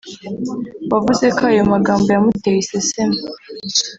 wavuze ko ayo magambo yamuteye iseseme